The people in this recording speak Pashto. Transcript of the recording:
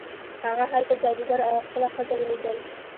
هغه هلته جادوګر او خپله ښځه ولیدل.